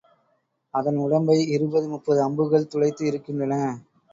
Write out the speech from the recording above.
அதன் உடம்பை இருபது, முப்பது அம்புகள் துளைத்து இருக்கின்றன.